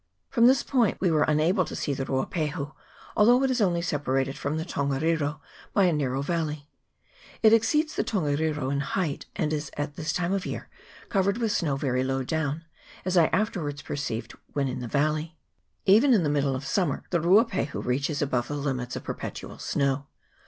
From this point we were unable to see the Ruapahu, although it is only separated from the Tongariro by a narrow valley. It exceeds the Tongariro in height, and is at this time of the year covered with snow very low down, as I afterwards perceived when in the valley. Even in the middle of summer the Rua pahu reaches above the limits of perpetual snow.